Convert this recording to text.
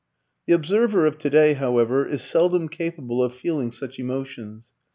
The observer of today, however, is seldom capable of feeling such emotions.